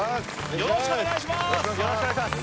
よろしくお願いします